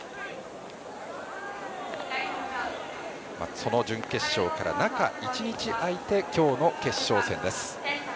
その準決勝から中１日空いて今日の決勝戦です。